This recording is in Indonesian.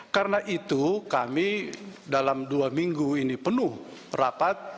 karena itu kami dalam dua minggu ini penuh rapat